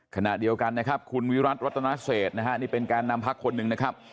ขณะเดียวกันนะครับคุณวิรัติรัตนาเศษนะฮะนี่เป็นแกนนำพักคนหนึ่งนะครับ